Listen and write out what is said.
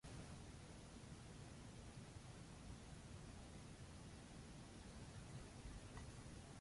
Escritas en primera persona, Hammer describe sus encuentros violentos con extremo realismo.